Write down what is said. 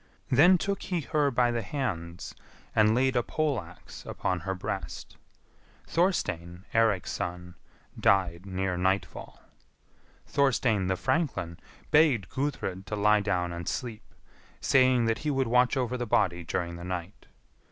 Then took he her by the hands and laid a pole axe upon her breast. Thorstein, Eirik's son, died near nightfall. Thorstein, the franklin, begged Gudrid to lie down and sleep, saying that he would watch over the body during the night.